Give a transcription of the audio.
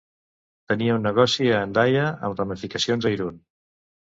Tenia un negoci a Hendaia amb ramificacions a Irun.